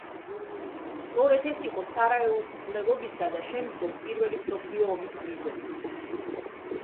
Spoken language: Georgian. სწორედ ეს იყო სარაევოს მკვლელობისა და შემდგომ, პირველი მსოფლიო ომის მიზეზი.